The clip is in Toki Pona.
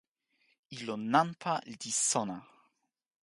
ilo nanpa li sona!